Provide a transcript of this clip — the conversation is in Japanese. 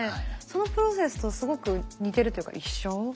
そのプロセスとすごく似てるというか一緒。